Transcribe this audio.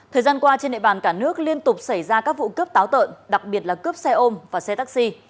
thời gian qua trên địa bàn cả nước liên tục xảy ra các vụ cướp táo tợn đặc biệt là cướp xe ôm và xe taxi